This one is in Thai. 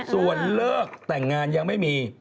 ส่วนเลิกแต่งงานยังไม่มี